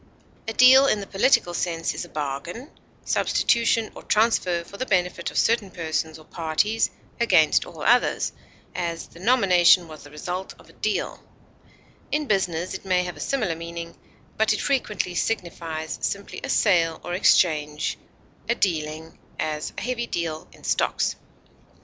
A deal in the political sense is a bargain, substitution, or transfer for the benefit of certain persons or parties against all others; as, the nomination was the result of a deal; in business it may have a similar meaning, but it frequently signifies simply a sale or exchange, a dealing; as, a heavy deal in stocks.